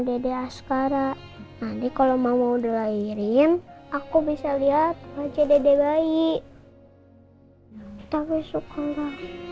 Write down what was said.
dede askara nanti kalau mama udah lahirin aku bisa lihat wajah dede bayi tapi suka